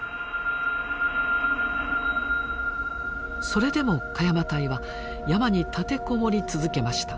それでも鹿山隊は山に立てこもり続けました。